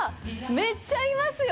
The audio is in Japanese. めっちゃいますよ。